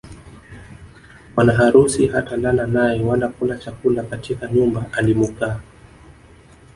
Bwana harusi hatalala naye wala kula chakula katika nyumba alimokaa